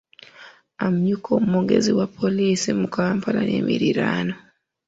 Amyuka omwogezi wa poliisi mu Kampala n’emiriraano.